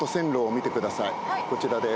こちらです。